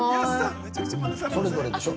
◆それぞれでしょう？